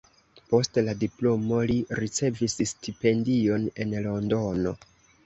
Post la diplomo li ricevis stipendion en Londono.